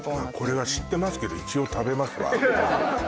これは知ってますけど一応食べますわ